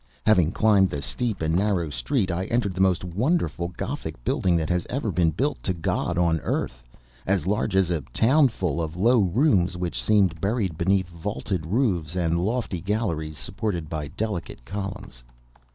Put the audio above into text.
Having climbed the steep and narrow street, I entered the most wonderful Gothic building that has ever been built to God on earth, as large as a town, full of low rooms which seem buried beneath vaulted roofs, and lofty galleries supported by delicate columns.